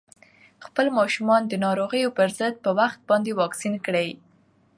خپل ماشومان د ناروغیو پر ضد په وخت باندې واکسین کړئ.